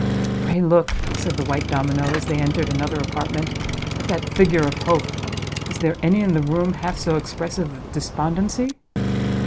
"Pray, look," said the white domino, as they entered another apartment, "at that figure of Hope; is there any in the room half so expressive of despondency?"